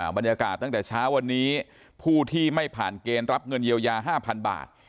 บรรยากาศตั้งแต่เช้าวันนี้ผู้ที่ไม่ผ่านเกณฑ์รับเงินเยียวยา๕๐๐๐บาท